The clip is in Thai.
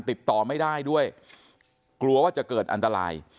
ติดต่อไม่ได้ด้วยกลัวว่าจะเกิดอันตราย